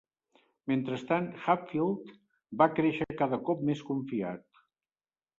Mentrestant, Hatfield va créixer cada cop més confiat.